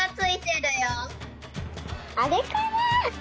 あれかな？